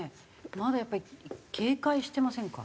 まだやっぱり警戒してませんか？